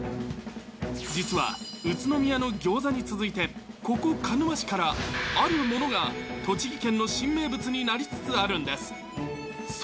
実は宇都宮の餃子に続いて、ここ、鹿沼市からあるものが栃木県の新名物になりつつあるんです。